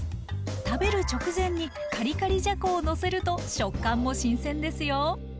食べる直前にカリカリじゃこをのせると食感も新鮮ですよ。